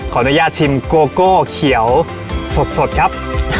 ขออนุญาตชิมโกโก้เขียวสดครับ